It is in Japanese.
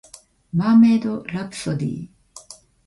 マーメイドラプソディ